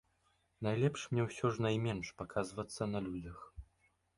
Найлепш мне ўсё ж найменш паказвацца на людзях.